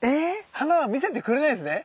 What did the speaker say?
⁉花は見せてくれないんですね。